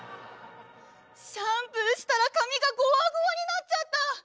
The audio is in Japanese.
シャンプーしたら髪がゴワゴワになっちゃった！